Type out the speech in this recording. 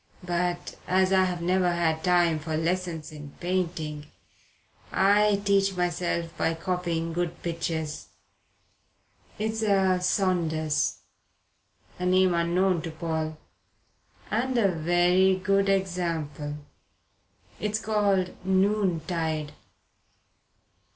"But as I've never had time for lessons in painting, I teach myself by copying good pictures. It's a Saunders" a name unknown to Paul "and a very good example. It's called Noontide.